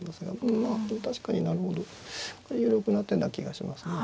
まあこれ確かになるほど有力な手な気がしますね。